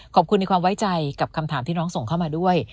ขอบคุณในความไว้ใจกับคำถามที่น้องส่งเข้ามาด้วย